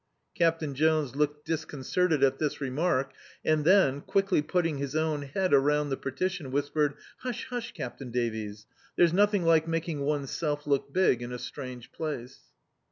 Captain Jones looked disconcerted at this remark and then, quickly putting his own head around the partition, whispered: "Hush, hush, Capt^n Davles; there's nothing tike making one's self look big in a strange place."